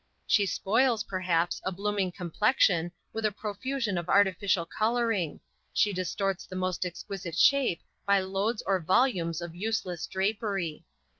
She spoils, perhaps, a blooming complexion with a profusion of artificial coloring, she distorts the most exquisite shape by loads or volumes of useless drapery.